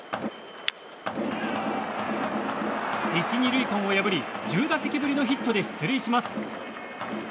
１、２塁間を破り１０打席ぶりのヒットで出塁します。